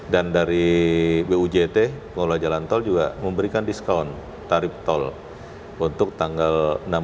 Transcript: dan dari bujt pengelola jalan tol juga memberikan diskaun tarif tol untuk tanggal enam belas tujuh belas delapan belas sembilan belas